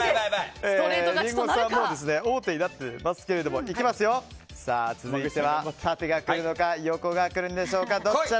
リンゴさん王手になってますけども続いては縦が来るのか横が来るんでしょうか。